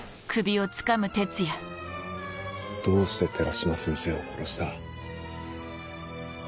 どうして寺島先生を殺した？